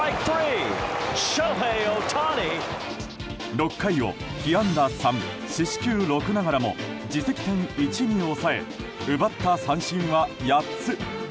６回を被安打３四死球６ながらも自責点１に抑え奪った三振は８つ。